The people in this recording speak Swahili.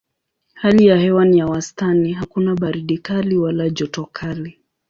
Hali ya hewa ni ya wastani: hakuna baridi kali wala joto kali.